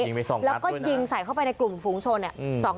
ยิงไป๒นัดแล้วก็ยิงใส่เข้าไปในกลุ่มฝูงชน